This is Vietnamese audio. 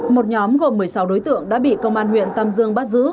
một nhóm gồm một mươi sáu đối tượng đã bị công an huyện tam dương bắt giữ